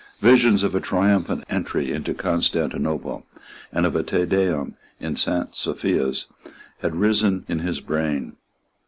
Visions of a triumphant entry into Constantinople and of a Te Deum in Saint Sophia's had risen in his brain.